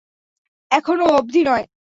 এখনো অব্ধি নয়।